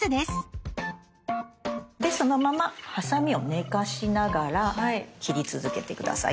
でそのままハサミを寝かしながら切り続けて下さい。。